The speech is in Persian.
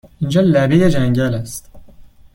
اینجا لبه جنگل است!